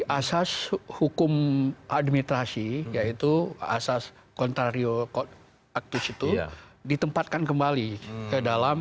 asas hukum administrasi yaitu asas contrario actus itu ditempatkan kembali ke dalam